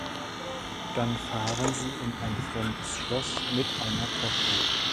Dann fahren sie in ein fremdes Schloss mit einer Tochter.